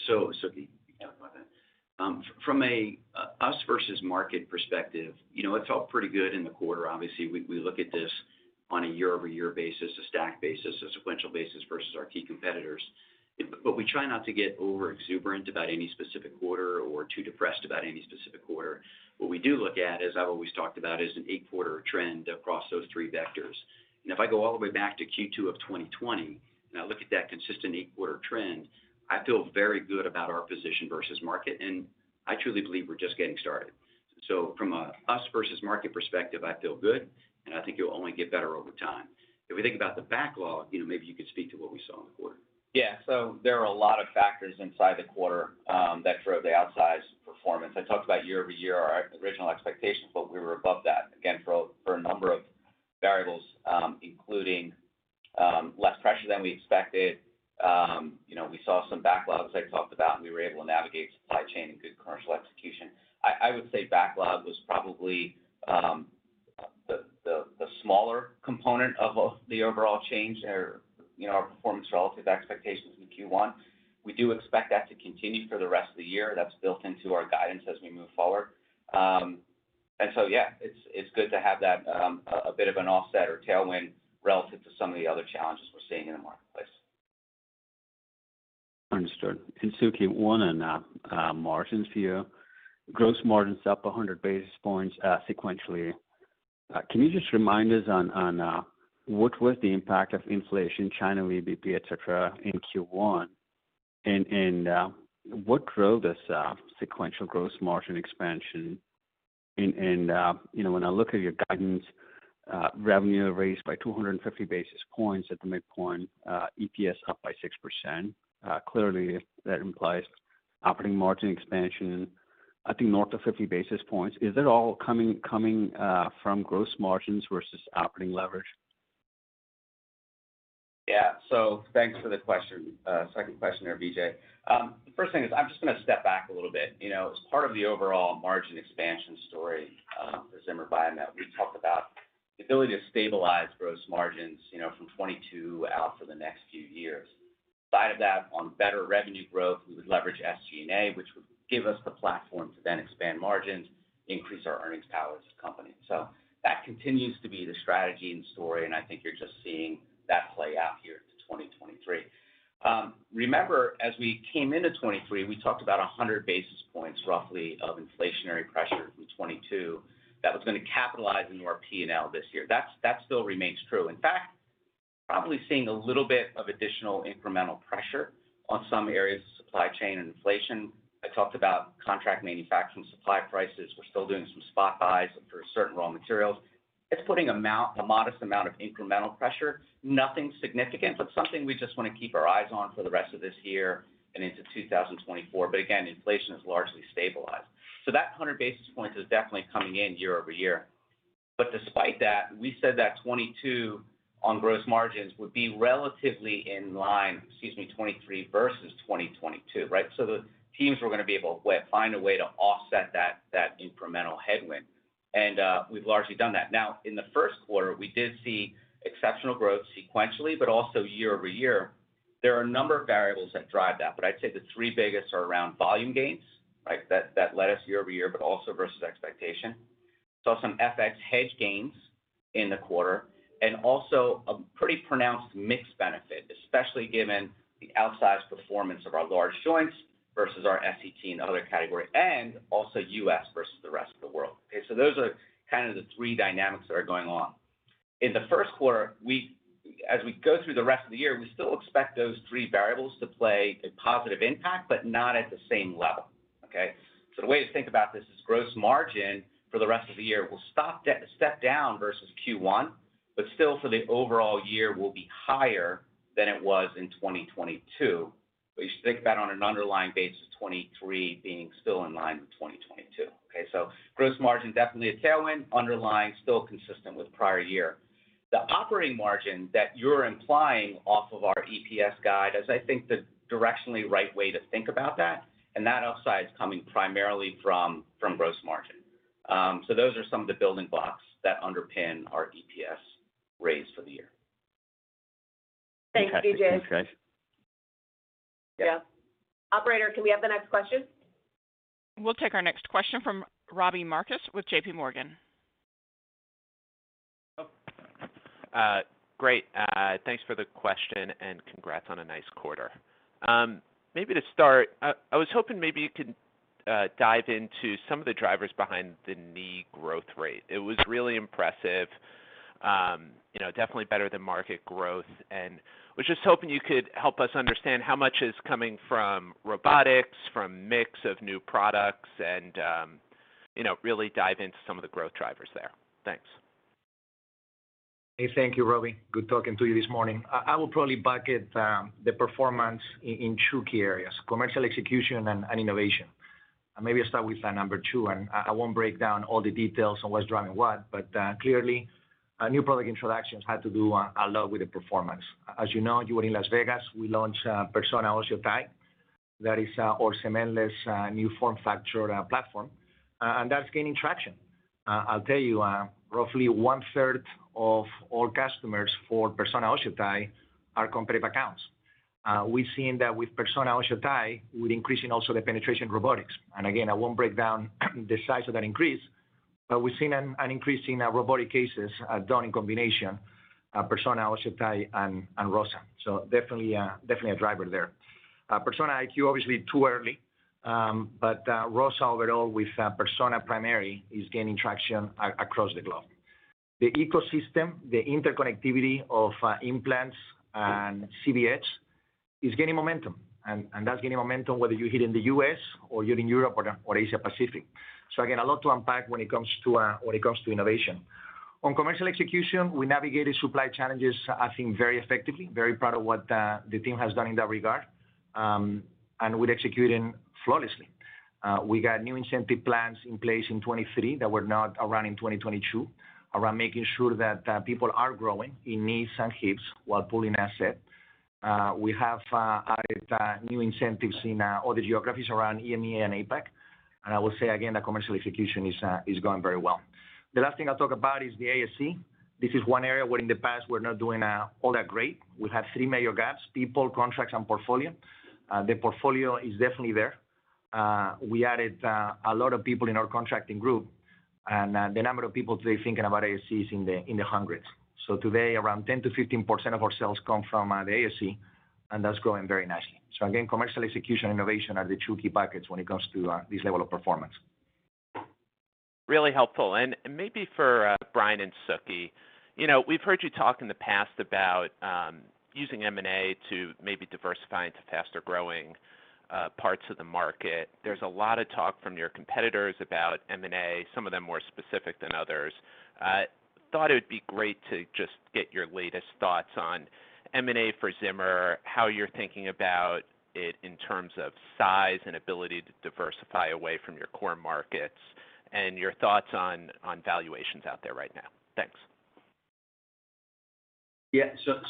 Suke, you can talk about that. From a us versus market perspective, you know, it felt pretty good in the quarter. Obviously, we look at this on a year-over-year basis, a stack basis, a sequential basis versus our key competitors. We try not to get over-exuberant about any specific quarter or too depressed about any specific quarter. What we do look at, as I've always talked about, is an eight-quarter trend across those three vectors. If I go all the way back to Q2 of 2020, and I look at that consistent eight-quarter trend, I feel very good about our position versus market, and I truly believe we're just getting started. From a us versus market perspective, I feel good, and I think it'll only get better over time. If we think about the backlog, you know, maybe you could speak to what we saw in the quarter. There are a lot of factors inside the quarter that drove the outsized performance. I talked about year-over-year, our original expectations, but we were above that, again, for a number of variables, including less pressure than we expected. You know, we saw some backlogs I talked about, and we were able to navigate supply chain and good commercial execution. I would say backlog was probably the smaller component of the overall change or, you know, our performance relative to expectations in Q1. We do expect that to continue for the rest of the year. That's built into our guidance as we move forward. It's good to have that a bit of an offset or tailwind relative to some of the other challenges we're seeing in the marketplace. Understood. In Q1 and margins for you, gross margins up 100 basis points sequentially. Can you just remind us on what was the impact of inflation, China VBP, et cetera, in Q1? What drove this sequential gross margin expansion? You know, when I look at your guidance, revenue raised by 250 basis points at the midpoint, EPS up by 6%. Clearly that implies operating margin expansion, I think north of 50 basis points. Is it all coming from gross margins versus operating leverage? Thanks for the question. Second question there, Vijay. The first thing is I'm just gonna step back a little bit. You know, as part of the overall margin expansion story, for Zimmer Biomet, we talk about the ability to stabilize gross margins, you know, from 2022 out for the next few years. Side of that, on better revenue growth, we would leverage SG&A, which would give us the platform to then expand margins, increase our earnings power as a company. That continues to be the strategy and story, and I think you're just seeing that play out here to 2023. Remember, as we came into 2023, we talked about 100 basis points roughly of inflationary pressure from 2022 that was gonna capitalize into our P&L this year. That still remains true. In fact, probably seeing a little bit of additional incremental pressure on some areas of supply chain and inflation. I talked about contract manufacturing, supply prices. We're still doing some spot buys for certain raw materials. It's putting a modest amount of incremental pressure. Nothing significant, but something we just wanna keep our eyes on for the rest of this year and into 2024. Again, inflation is largely stabilized. That 100 basis points is definitely coming in year-over-year. Despite that, we said that 2020 on gross margins would be relatively in line. Excuse me, 2023 versus 2022, right? The teams were gonna be able to find a way to offset that incremental headwind, and we've largely done that. Now, in the first quarter, we did see exceptional growth sequentially but also year-over-year. There are a number of variables that drive that, but I'd say the three biggest are around volume gains, right? That led us year-over-year, but also versus expectation. Saw some FX hedge gains in the quarter and also a pretty pronounced mix benefit, especially given the outsized performance of our large joints versus our SET and other category and also U.S. versus the rest of the world. Okay. Those are kind of the three dynamics that are going on. In the first quarter, as we go through the rest of the year, we still expect those three variables to play a positive impact, but not at the same level. Okay? The way to think about this is gross margin for the rest of the year will step down versus Q1, but still for the overall year will be higher than it was in 2022. You should think about on an underlying basis, 2023 being still in line with 2022. Okay. Gross margin definitely a tailwind, underlying still consistent with prior year. The operating margin that you're implying off of our EPS guide is I think the directionally right way to think about that, and that upside is coming primarily from gross margin. Those are some of the building blocks that underpin our EPS raise for the year. Fantastic. Thanks, guys. Thanks, Vijay. Yeah. Operator, can we have the next question? We'll take our next question from Robbie Marcus with J.P. Morgan. Great. Thanks for the question, and congrats on a nice quarter. Maybe to start, I was hoping maybe you could dive into some of the drivers behind the knee growth rate. It was really impressive. You know, definitely better than market growth. Was just hoping you could help us understand how much is coming from robotics, from mix of new products, and, you know, really dive into some of the growth drivers there. Thanks. Hey, thank you, Robbie. Good talking to you this morning. I will probably bucket the performance in two key areas: commercial execution and innovation. Maybe I'll start with number two, and I won't break down all the details on what's driving what, but clearly new product introductions had to do a lot with the performance. As you know, you were in Las Vegas. We launched Persona OsseoTi. That is our cementless new form factor platform, and that's gaining traction. I'll tell you roughly one-third of all customers for Persona OsseoTi are competitive accounts. We've seen that with Persona OsseoTi, we're increasing also the penetration robotics. Again, I won't break down the size of that increase, but we've seen an increase in robotic cases done in combination, Persona OsseoTi and ROSA. Definitely a driver there. Persona IQ, obviously too early. ROSA overall with Persona primary is gaining traction across the globe. The ecosystem, the interconnectivity of implants and CBS is gaining momentum. That's gaining momentum whether you're here in the U.S. or you're in Europe or Asia Pacific. Again, a lot to unpack when it comes to when it comes to innovation. On commercial execution, we navigated supply challenges I think very effectively. Very proud of what the team has done in that regard. We're executing flawlessly. We got new incentive plans in place in 2023 that were not around in 2022 around making sure that people are growing in knees and hips while pulling asset. We have added new incentives in other geographies around EMEA and APAC. I will say again that commercial execution is going very well. The last thing I'll talk about is the ASC. This is one area where in the past we're not doing all that great. We have three major gaps: people, contracts, and portfolio. The portfolio is definitely there. We added a lot of people in our contracting group. The number of people today thinking about ASCs in the hundreds. Today, around 10%-15% of our sales come from the ASC, and that's growing very nicely. Again, commercial execution and innovation are the two key buckets when it comes to this level of performance. Really helpful. Maybe for Bryan and Suke, you know, we've heard you talk in the past about using M&A to maybe diversifying into faster-growing parts of the market. There's a lot of talk from your competitors about M&A, some of them more specific than others. Thought it would be great to just get your latest thoughts on M&A for Zimmer, how you're thinking about it in terms of size and ability to diversify away from your core markets and your thoughts on valuations out there right now. Thanks. Yeah.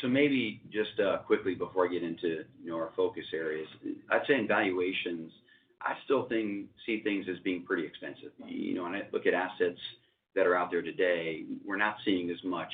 Maybe just quickly before I get into, you know, our focus areas. I'd say in valuations, I still see things as being pretty expensive. You know, when I look at assets that are out there today, we're not seeing as much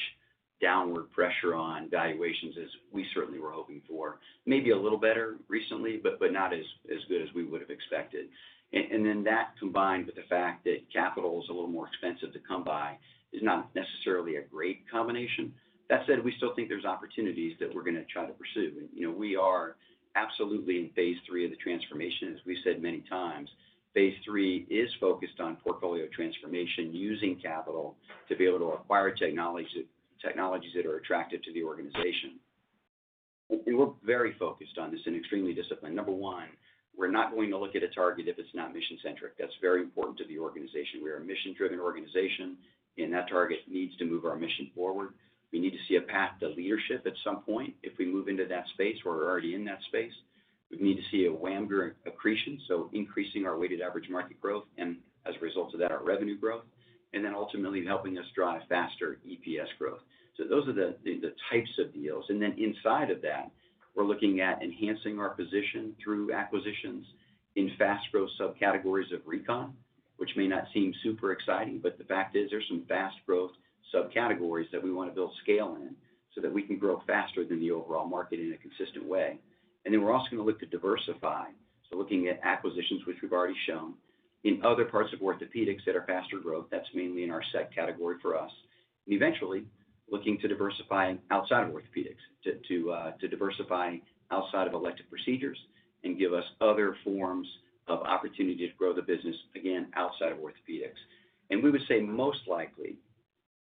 downward pressure on valuations as we certainly were hoping for. Maybe a little better recently, but not as good as we would've expected. Then that combined with the fact that capital is a little more expensive to come by is not necessarily a great combination. That said, we still think there's opportunities that we're gonna try to pursue. You know, we are absolutely in phase three of the transformation, as we've said many times. Phase three is focused on portfolio transformation using capital to be able to acquire technologies that are attractive to the organization. We're very focused on this and extremely disciplined. Number one, we're not going to look at a target if it's not mission-centric. That's very important to the organization. We are a mission-driven organization, and that target needs to move our mission forward. We need to see a path to leadership at some point. If we move into that space or are already in that space, we need to see a WAM growth accretion, so increasing our weighted average market growth and as a result of that, our revenue growth, and then ultimately helping us drive faster EPS growth. Those are the types of deals. Inside of that, we're looking at enhancing our position through acquisitions in fast growth subcategories of Recon, which may not seem super exciting, but the fact is there's some fast growth subcategories that we wanna build scale in so that we can grow faster than the overall market in a consistent way. We're also gonna look to diversify. Looking at acquisitions, which we've already shown, in other parts of orthopedics that are faster growth, that's mainly in our SET category for us. Eventually, looking to diversify outside of orthopedics, to diversify outside of elective procedures and give us other forms of opportunity to grow the business, again, outside of orthopedics. We would say most likely,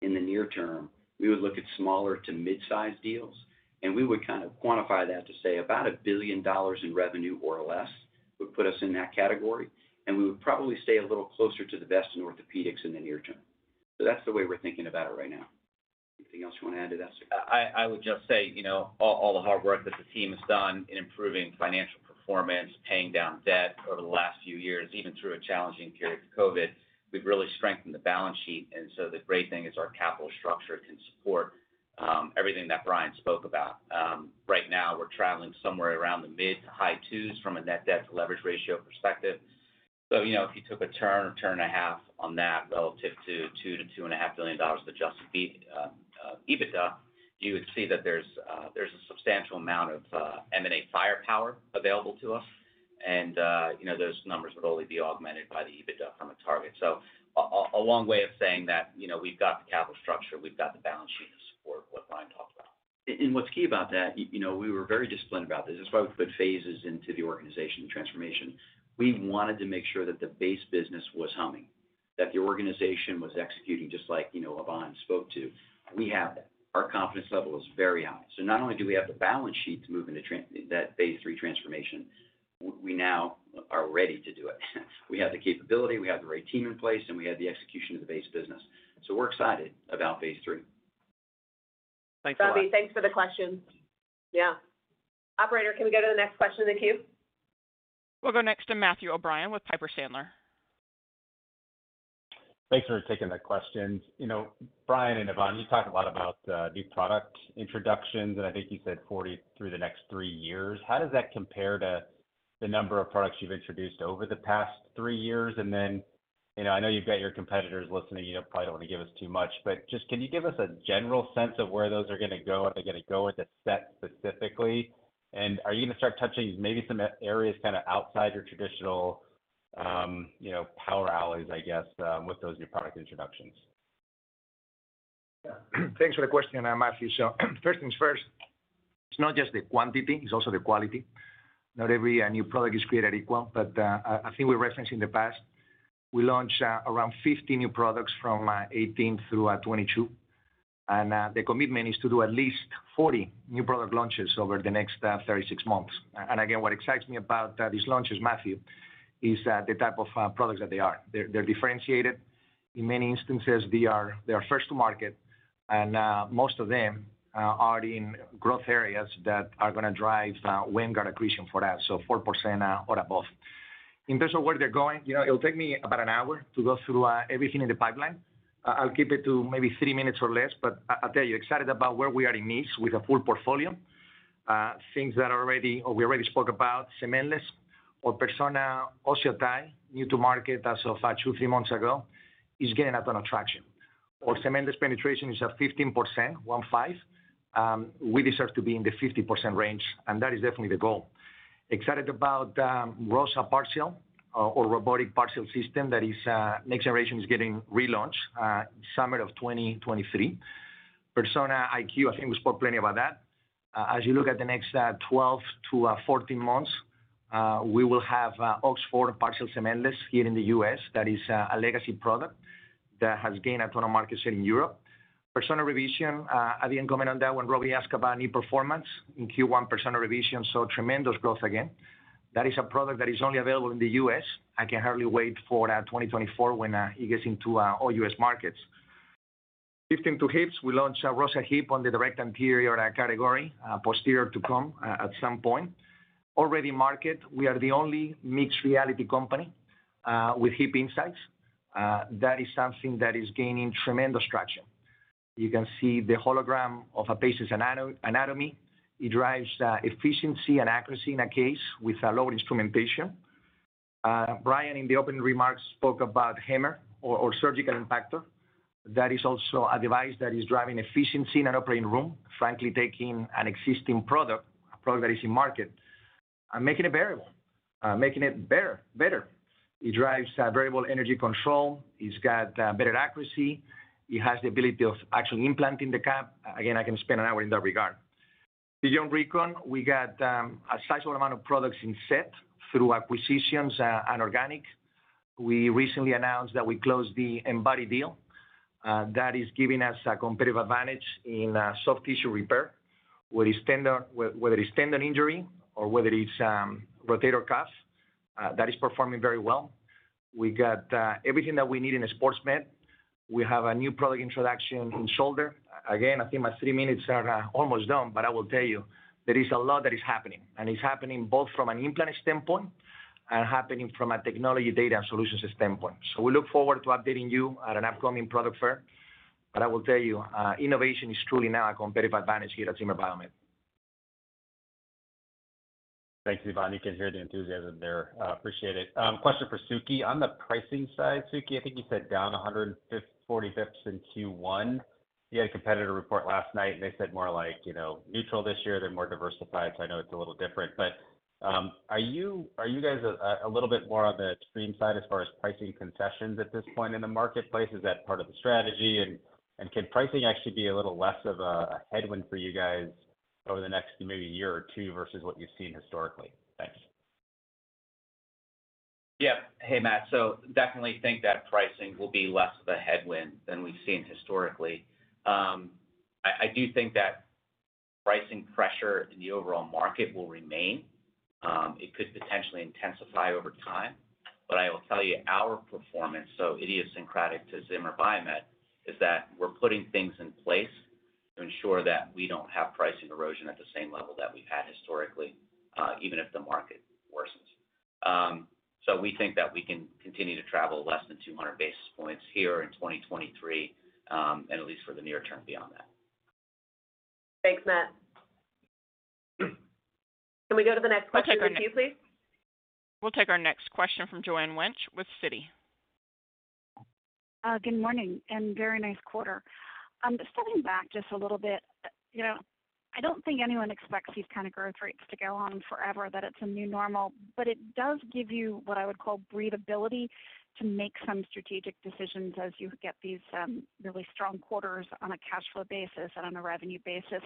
in the near term, we would look at smaller to mid-size deals, and we would kind of quantify that to say about $1 billion in revenue or less would put us in that category. We would probably stay a little closer to the best in orthopedics in the near term. That's the way we're thinking about it right now. Anything else you want to add to that, Suk? I would just say, you know, all the hard work that the team has done in improving financial performance, paying down debt over the last few years, even through a challenging period of COVID, we've really strengthened the balance sheet. The great thing is our capital structure can support everything that Bryan spoke about. Right now, we're traveling somewhere around the mid to high twos from a net debt to leverage ratio perspective. You know, if you took a turn, a turn and 1/2 on that relative to $2 billion-$2.5 billion of adjusted EBITDA, you would see that there's a substantial amount of M&A firepower available to us. You know, those numbers would only be augmented by the EBITDA from a target. A long way of saying that, you know, we've got the capital structure, we've got the balance sheet to support what Bryan talked about. What's key about that, you know, we were very disciplined about this. That's why we put phases into the organization transformation. We wanted to make sure that the base business was humming, that the organization was executing, just like, you know, Ivan spoke to. We have that. Our confidence level is very high. Not only do we have the balance sheet to move into that phase three transformation, we now are ready to do it. We have the capability, we have the right team in place, and we have the execution of the base business. We're excited about phase three. Thanks a lot. Robbie, thanks for the question. Yeah. Operator, can we go to the next question in the queue? We'll go next to Matthew O'Brien with Piper Sandler. Thanks for taking the questions. You know, Bryan and Ivan, you talked a lot about, new product introductions, and I think you said 40 through the next three years. How does that compare to the number of products you've introduced over the past three years? You know, I know you've got your competitors listening. You don't probably don't want to give us too much, but just, can you give us a general sense of where those are gonna go? Are they gonna go with the SET specifically? Are you gonna start touching maybe some areas kinda outside your traditional, you know, power alleys, I guess, with those new product introductions? Yeah. Thanks for the question, Matthew. First things first, it's not just the quantity, it's also the quality. Not every, new product is created equal. I think we referenced in the past, we launched around 50 new products from 2018 through 2022. The commitment is to do at least 40 new product launches over the next 36 months. Again, what excites me about these launches, Matthew, is the type of products that they are. They're differentiated. In many instances they are first to market and most of them are in growth areas that are going to drive WAM growth accretion for us, so 4% or above. In terms of where they're going, you know, it'll take me about an hour to go through everything in the pipeline. I'll keep it to maybe three minutes or less, but I'll tell you, excited about where we are in knees with a full portfolio. Things that already or we already spoke about, cementless or Persona OsseoTi, new to market as of two, three months ago, is gaining a ton of traction. Our cementless penetration is at 15%. We deserve to be in the 50% range, and that is definitely the goal. Excited about ROSA Partial or Robotic Partial system that is next generation is getting relaunched summer of 2023. Persona IQ, I think we spoke plenty about that. As you look at the next 12 to 14 months, we will have Oxford Cementless Partial Knee here in the U.S. That is a legacy product that has gained a ton of market share in Europe. Persona Revision, I didn't comment on that when Robbie asked about knee performance. In Q1, Persona Revision saw tremendous growth again. That is a product that is only available in the U.S. I can hardly wait for 2024 when it gets into all U.S. markets. Shifting to hips, we launched ROSA Hip on the direct anterior category, posterior to come at some point. Already market, we are the only mixed reality company with HipInsight. That is something that is gaining tremendous traction. You can see the hologram of a patient's anatomy. It drives efficiency and accuracy in a case with a lower instrumentation. Bryan, in the opening remarks, spoke about HAMMR or surgical impactor. That is also a device that is driving efficiency in an operating room, frankly taking an existing product, a product that is in market and making it variable, making it better. It drives variable energy control. It's got better accuracy. It has the ability of actually implanting the cap. I can spend an hour in that regard. Joint Recon, we got a sizable amount of products in SET through acquisitions and organics. We recently announced that we closed the Embody deal. That is giving us a competitive advantage in soft tissue repair, whether it's tender, whether it's tendon injury or whether it's rotator cuff. That is performing very well. We got everything that we need in a sports med. We have a new product introduction in shoulder. I think my three minutes are almost done, but I will tell you there is a lot that is happening, and it's happening both from an implant standpoint and happening from a technology data solutions standpoint. We look forward to updating you at an upcoming product fair. I will tell you, innovation is truly now a competitive advantage here at Zimmer Biomet. Thanks, Ivan. You can hear the enthusiasm there. Appreciate it. Question for Suke. On the pricing side, Suke, I think you said down 140 bps in Q1. You had a competitor report last night, and they said more like, you know, neutral this year. They're more diversified, so I know it's a little different. Are you guys a little bit more on the extreme side as far as pricing concessions at this point in the marketplace? Is that part of the strategy? And can pricing actually be a little less of a headwind for you guys over the next maybe year or two versus what you've seen historically? Thanks. Hey, Matt. Definitely think that pricing will be less of a headwind than we've seen historically. I do think that pricing pressure in the overall market will remain. It could potentially intensify over time. I will tell you our performance, idiosyncratic to Zimmer Biomet, is that we're putting things in place to ensure that we don't have pricing erosion at the same level that we've had historically, even if the market worsens. We think that we can continue to travel less than 200 basis points here in 2023, and at least for the near term beyond that. Thanks, Matt. Can we go to the next question in queue, please? We'll take our next question from Joanne Wuensch with Citi. Good morning, and very nice quarter. Stepping back just a little bit, you know, I don't think anyone expects these kind of growth rates to go on forever, that it's a new normal. It does give you what I would call breathability to make some strategic decisions as you get these really strong quarters on a cash flow basis and on a revenue basis.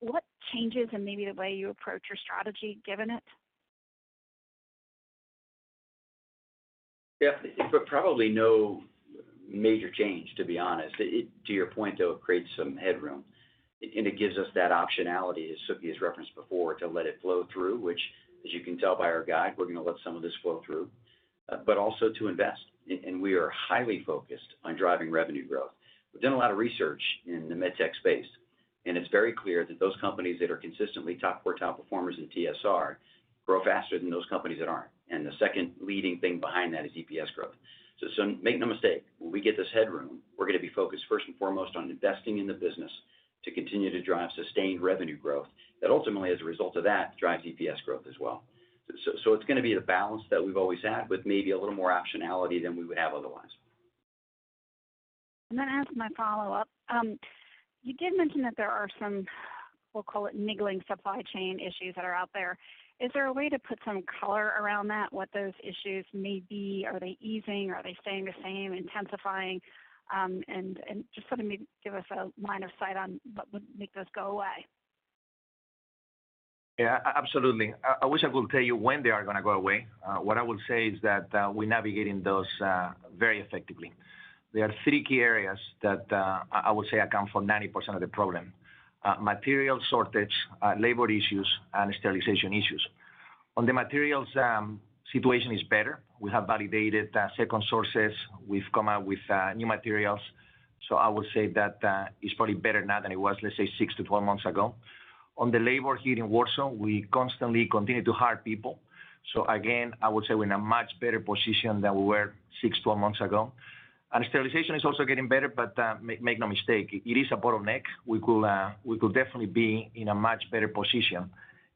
What changes in maybe the way you approach your strategy given it? Yeah. Probably no major change, to be honest. It, to your point, though, it creates some headroom, and it gives us that optionality, as Suke has referenced before, to let it flow through, which as you can tell by our guide, we're gonna let some of this flow through, but also to invest. We are highly focused on driving revenue growth. We've done a lot of research in the med tech space, and it's very clear that those companies that are consistently top quartile performers in TSR grow faster than those companies that aren't, and the second leading thing behind that is EPS growth. Make no mistake, when we get this headroom, we're gonna be focused first and foremost on investing in the business to continue to drive sustained revenue growth that ultimately, as a result of that, drives EPS growth as well. It's gonna be the balance that we've always had with maybe a little more optionality than we would have otherwise. As my follow-up, you did mention that there are some, we'll call it niggling supply chain issues that are out there. Is there a way to put some color around that, what those issues may be? Are they easing? Are they staying the same, intensifying? And just sort of maybe give us a line of sight on what would make those go away. Yeah, absolutely. I wish I could tell you when they are gonna go away. What I will say is that, we're navigating those very effectively. There are three key areas that, I would say account for 90% of the problem, material shortage, labor issues, and sterilization issues. On the materials, situation is better. We have validated second sources. We've come out with new materials. I would say that it's probably better now than it was, let's say, six to 12 months ago. On the labor here in Warsaw, we constantly continue to hire people. Again, I would say we're in a much better position than we were six to 12 months ago. Sterilization is also getting better, but make no mistake, it is a bottleneck. We could definitely be in a much better position.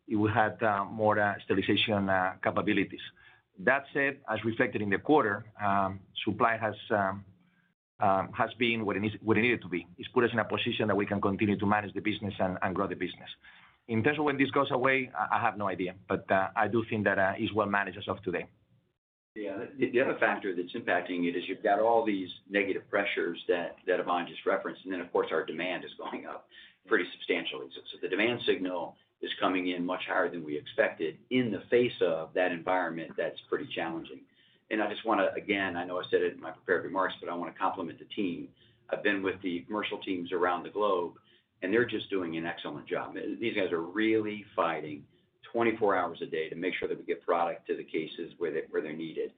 It will have more sterilization capabilities. That said, as reflected in the quarter, supply has been what it needed to be. It's put us in a position that we can continue to manage the business and grow the business. In terms of when this goes away, I have no idea, but, I do think that, it's well managed as of today. Yeah. The other factor that's impacting it is you've got all these negative pressures that Ivan just referenced. Of course our demand is going up pretty substantially. The demand signal is coming in much higher than we expected in the face of that environment that's pretty challenging. I just wanna, again, I know I said it in my prepared remarks, but I wanna compliment the team. I've been with the commercial teams around the globe, they're just doing an excellent job. These guys are really fighting 24 hours a day to make sure that we get product to the cases where they're needed.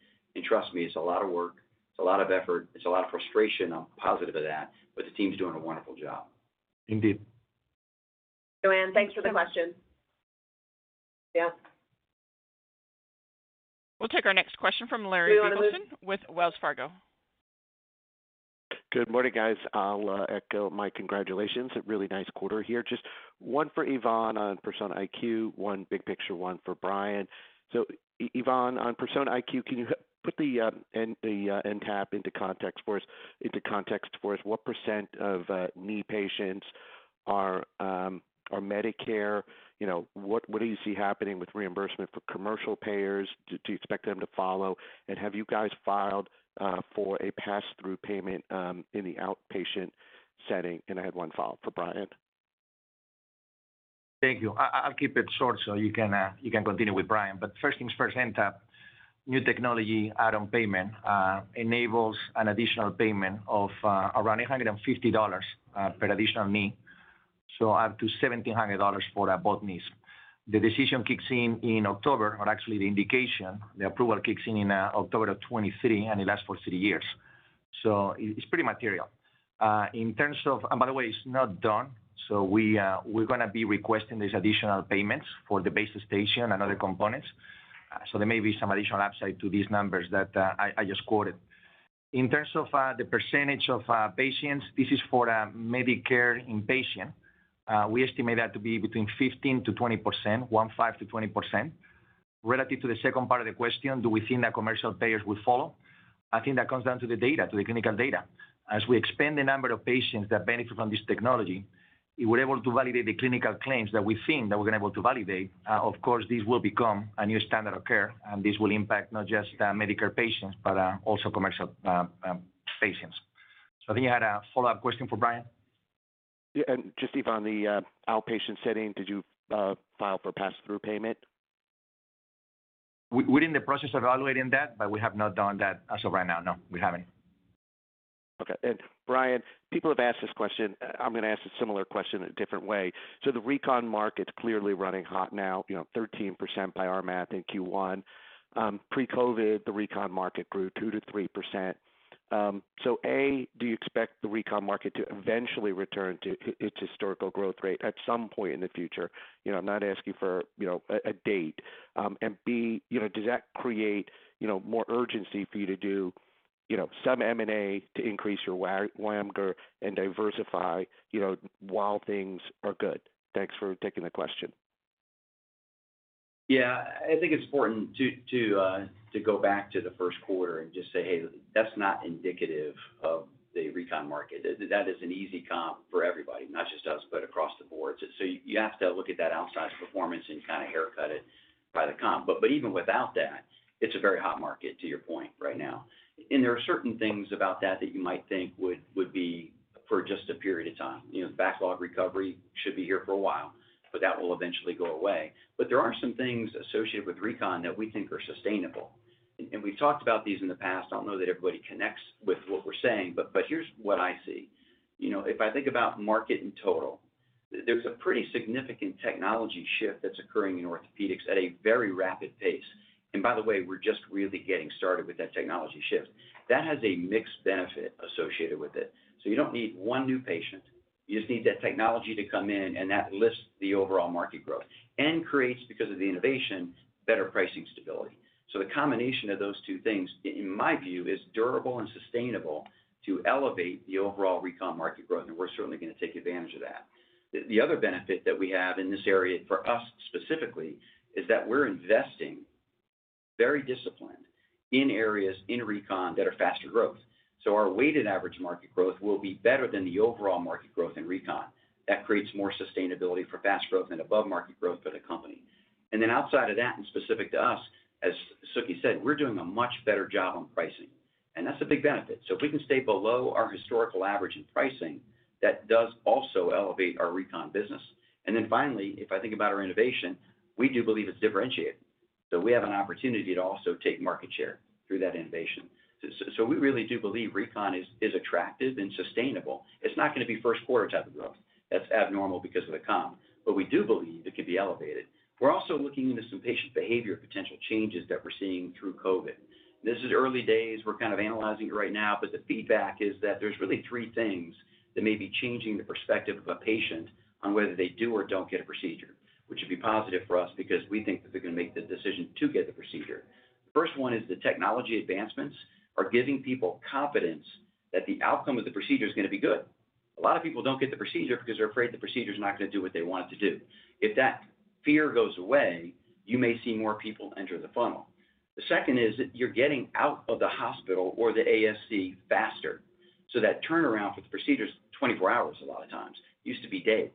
Trust me, it's a lot of work, it's a lot of effort, it's a lot of frustration, I'm positive of that, but the team's doing a wonderful job. Indeed. Joanne, thanks for the question. Yeah. We'll take our next question from Larry Biegelsen. Joanne. with Wells Fargo. Good morning, guys. I'll echo my congratulations. A really nice quarter here. Just one for Ivan on Persona IQ, one big picture one for Bryan. Ivan, on Persona IQ, can you put the NTAP into context for us? What % of knee patients are Medicare? You know, what do you see happening with reimbursement for commercial payers? Do you expect them to follow? Have you guys filed for a pass-through payment in the outpatient setting? I have one follow-up for Bryan. Thank you. I'll keep it short so you can continue with Bryan. First things first, NTAP, new technology add-on payment, enables an additional payment of around $850 per additional knee, so up to $1,700 for both knees. The decision kicks in in October, or actually the indication, the approval kicks in October of 2023, and it lasts for three years. It's pretty material. In terms of, by the way, it's not done, we're gonna be requesting these additional payments for the base station and other components, so there may be some additional upside to these numbers that I just quoted. In terms of the percentage of patients, this is for a Medicare inpatient, we estimate that to be between 15%-20%. Relative to the second part of the question, do we think that commercial payers will follow? I think that comes down to the data, to the clinical data. As we expand the number of patients that benefit from this technology, if we're able to validate the clinical claims that we've seen, that we're able to validate, of course, this will become a new standard of care, and this will impact not just Medicare patients, but also commercial patients. I think you had a follow-up question for Bryan. Yeah. Just if on the outpatient setting, did you file for pass-through payment? We're in the process of evaluating that, but we have not done that as of right now. No, we haven't. Okay. Bryan, people have asked this question. I'm gonna ask a similar question a different way. The recon market's clearly running hot now, you know, 13% by our math in Q1. Pre-COVID, the recon market grew 2%-3%. A, do you expect the recon market to eventually return to its historical growth rate at some point in the future? You know, I'm not asking for, you know, a date. B, you know, does that create, you know, more urgency for you to do, you know, some M&A to increase your WAMGR and diversify, you know, while things are good? Thanks for taking the question. Yeah. I think it's important to go back to the first quarter and just say, "Hey, that's not indicative of the recon market." That is an easy comp for everybody, not just us, but across the board. You have to look at that outsized performance and kind of haircut it by the comp. But even without that, it's a very hot market, to your point, right now. There are certain things about that that you might think would be for just a period of time. You know, backlog recovery should be here for a while, but that will eventually go away. There are some things associated with recon that we think are sustainable. We've talked about these in the past. I don't know that everybody connects with what we're saying, but here's what I see. You know, if I think about market in total, there's a pretty significant technology shift that's occurring in orthopedics at a very rapid pace. By the way, we're just really getting started with that technology shift. That has a mixed benefit associated with it. You don't need one new patient, you just need that technology to come in, and that lifts the overall market growth and creates, because of the innovation, better pricing stability. The combination of those two things, in my view, is durable and sustainable to elevate the overall recon market growth, and we're certainly gonna take advantage of that. The other benefit that we have in this area for us specifically, is that we're investing very disciplined in areas in recon that are faster growth. Our weighted average market growth will be better than the overall market growth in recon. That creates more sustainability for fast growth and above-market growth for the company. Outside of that and specific to us, as Suke said, we're doing a much better job on pricing, and that's a big benefit. If we can stay below our historical average in pricing, that does also elevate our recon business. Finally, if I think about our innovation, we do believe it's differentiated, so we have an opportunity to also take market share through that innovation. We really do believe recon is attractive and sustainable. It's not gonna be first quarter type of growth. That's abnormal because of the comp. We do believe it could be elevated. We're also looking into some patient behavior potential changes that we're seeing through COVID. This is early days. We're kind of analyzing it right now. The feedback is that there's really three things that may be changing the perspective of a patient on whether they do or don't get a procedure, which would be positive for us because we think that they're gonna make the decision to get the procedure. The first one is the technology advancements are giving people confidence that the outcome of the procedure is gonna be good. A lot of people don't get the procedure because they're afraid the procedure is not gonna do what they want it to do. If that fear goes away, you may see more people enter the funnel. The second is that you're getting out of the hospital or the ASC faster. That turnaround for the procedure is 24 hours a lot of times. Used to be days.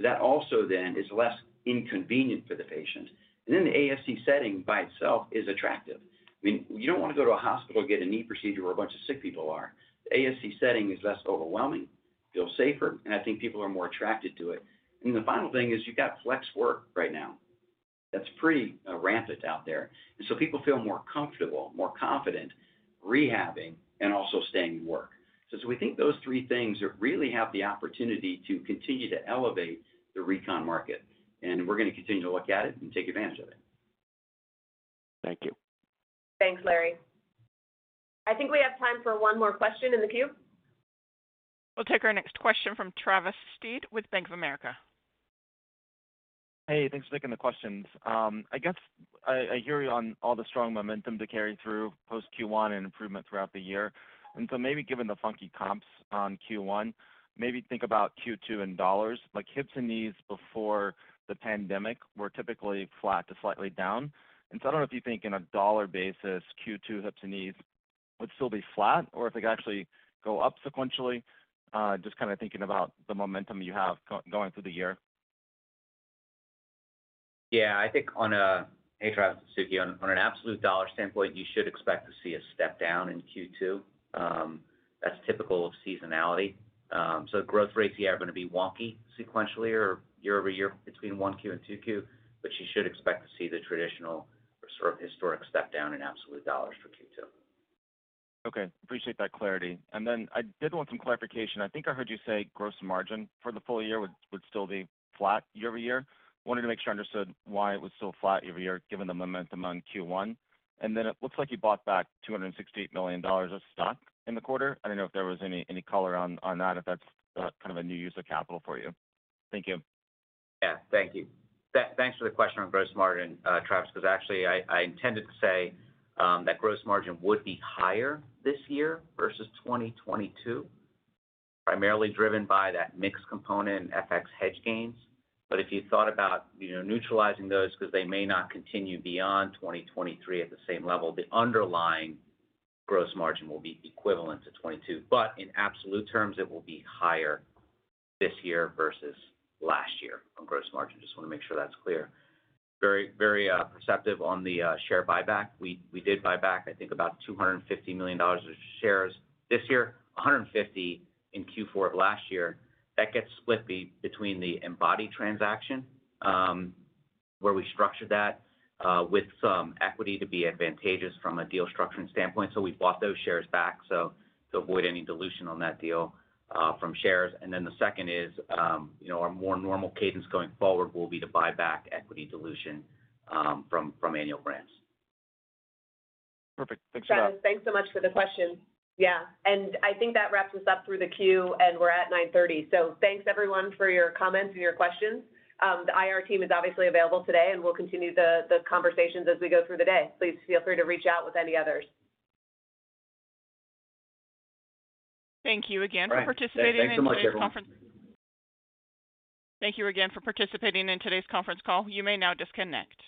That also then is less inconvenient for the patient. The ASC setting by itself is attractive. I mean, you don't wanna go to a hospital to get a knee procedure where a bunch of sick people are. The ASC setting is less overwhelming, feel safer, and I think people are more attracted to it. The final thing is you've got flex work right now. That's pretty rampant out there. People feel more comfortable, more confident rehabbing and also staying in work. We think those three things really have the opportunity to continue to elevate the recon market, and we're gonna continue to look at it and take advantage of it. Thank you. Thanks, Larry. I think we have time for one more question in the queue. We'll take our next question from Travis Steed with Bank of America. Hey, thanks for taking the questions. I guess I hear you on all the strong momentum to carry through post Q1 and improvement throughout the year. Maybe given the funky comps on Q1, maybe think about Q2 in $. Like, hips and knees before the pandemic were typically flat to slightly down. I don't know if you think in a $ basis, Q2 hips and knees would still be flat or if they could actually go up sequentially. Just kinda thinking about the momentum you have going through the year. Hey, Travis. It's Suke. On an absolute dollar standpoint, you should expect to see a step down in Q2. That's typical of seasonality. Growth rates here are gonna be wonky sequentially or year-over-year between 1Q and 2Q, but you should expect to see the traditional or sort of historic step down in absolute dollars for 2Q. Okay. Appreciate that clarity. I did want some clarification. I think I heard you say gross margin for the full year would still be flat year-over-year. Wanted to make sure I understood why it was still flat year-over-year given the momentum on Q1. It looks like you bought back $268 million of stock in the quarter. I don't know if there was any color on that, if that's kind of a new use of capital for you. Thank you. Yeah, thank you. Thanks for the question on gross margin, Travis, because actually, I intended to say that gross margin would be higher this year versus 2022, primarily driven by that mix component and FX hedge gains. If you thought about, you know, neutralizing those because they may not continue beyond 2023 at the same level, the underlying gross margin will be equivalent to 22. In absolute terms, it will be higher this year versus last year on gross margin. Just wanna make sure that's clear. Very perceptive on the share buyback. We did buy back, I think, about $250 million of shares this year, $150 million in Q4 of last year. That gets split between the Embody transaction, where we structured that with some equity to be advantageous from a deal structuring standpoint. We bought those shares back, so to avoid any dilution on that deal, from shares. The second is, you know, our more normal cadence going forward will be to buy back equity dilution from Annual Grants. Perfect. Thanks a lot. Travis, thanks so much for the question. Yeah. I think that wraps us up through the queue, and we're at 9:30 A.M. Thanks everyone for your comments and your questions. The IR team is obviously available today, and we'll continue the conversations as we go through the day. Please feel free to reach out with any others. Thank you again for participating. All right. In today's conference Thanks so much, everyone. Thank you again for participating in today's conference call. You may now disconnect.